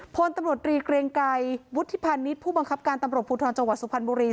โพลตำรวจตรีเกรงไกรวุฒิภัณฑ์นิตผู้บังคับการตำรวจผู้ท้องจังหวัดสุพันธ์บุรี